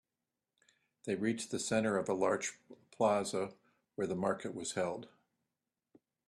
They reached the center of a large plaza where the market was held.